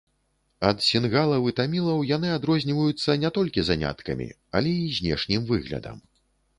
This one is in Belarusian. Ад сінгалаў і тамілаў яны адрозніваюцца не толькі заняткамі, але і знешнім выглядам.